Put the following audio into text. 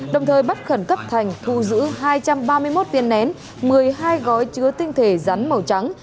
đồng thời bắt khẩn cấp thành thu giữ hai trăm ba mươi một viên nén một mươi hai gói chứa tinh thể rắn màu trắng